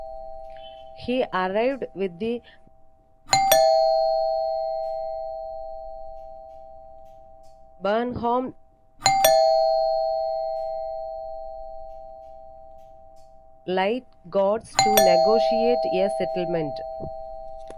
He arrived with the Brenham Light Guards to negotiate a settlement.